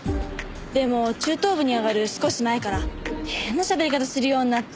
でも中等部に上がる少し前から変なしゃべり方するようになって。